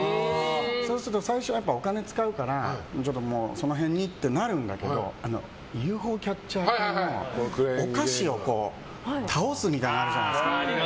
そうすると、最初はお金使うからその辺でってなるんだけどＵＦＯキャッチャーでお菓子を倒すみたいなのあるじゃないですか。